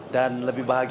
dan lebih bahagia